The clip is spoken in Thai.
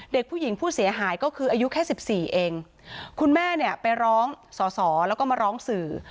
เด็กผู้หญิงผู้เสียหายก็คืออายุแค่สิบสี่เองคุณแม่เนี่ยไปร้องสอสอแล้วก็มาร้องสื่อ